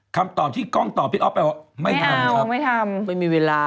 คำตอบที่กล้องตอบพี่อ๊อฟไปว่าไม่ทำน้องไม่ทำไม่มีเวลา